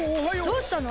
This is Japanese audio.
どうしたの？